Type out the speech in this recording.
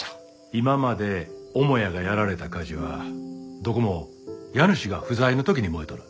今まで母屋がやられた火事はどこも家主が不在の時に燃えとる。